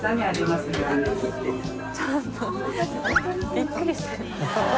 びっくりしてる